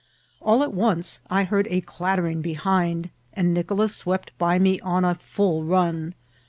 All at once I heard a clattering behind, and Nicolas swept by me on a full run.